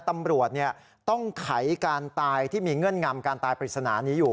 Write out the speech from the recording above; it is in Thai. ตำรวจต้องไขการตายที่มีเงื่อนงำการตายปริศนานี้อยู่